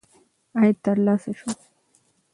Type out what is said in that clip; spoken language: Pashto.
عاید ترلاسه شو.